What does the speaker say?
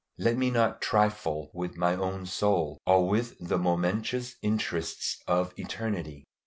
Let me not trifle with my own soul or with the momentous interests of eternity.